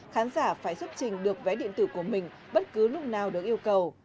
khán giả phải xuất trình được vé điện tử của mình bất cứ lúc nào được yêu cầu